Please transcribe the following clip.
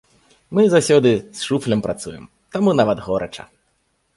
Мы заўсёды з шуфлям працуем, таму нават горача.